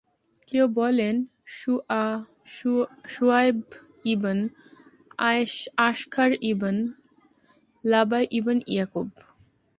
কেউ বলেন, শুআয়ব ইবন য়াশখার ইবন লাবায় ইবন ইয়াকূব।